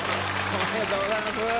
「おめでとうございます」。